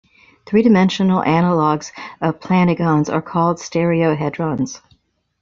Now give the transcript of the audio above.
Three dimensional analogues of the "planigons" are called stereohedrons.